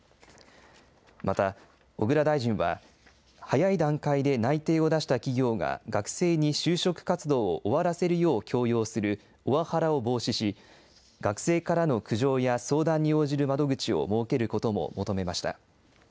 また、小倉大臣は、早い段階で内定を出した企業が学生に就職活動を終わらせるよう強要するオワハラを防止し、学生からの苦情や相談に応じる窓口を設けることも求めました。